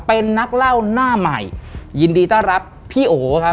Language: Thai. เป็นนักเล่าหน้าใหม่ยินดีต้อนรับพี่โอครับ